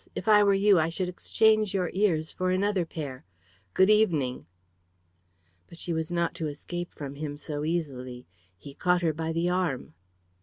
If I were you, I should exchange your ears for another pair. Good evening." But she was not to escape from him so easily. He caught her by the arm.